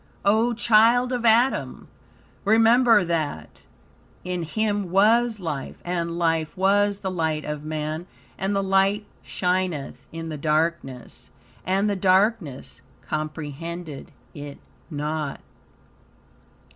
O child of Adam! Remember that "In Him was life, and life was the light of man, and the light shineth in the darkness, and the darkness comprehended it not."